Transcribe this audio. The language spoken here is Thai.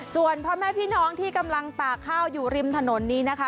ส่วนพ่อแม่พี่น้องที่กำลังตากข้าวอยู่ริมถนนนี้นะคะ